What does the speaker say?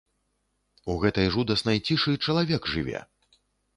У гэтай жудаснай цішы чалавек жыве!